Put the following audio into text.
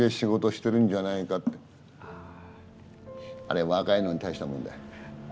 あれ若いのに大したもんだよ。